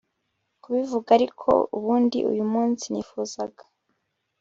kubivuga ariko ubundi uyumunsi nifuzaga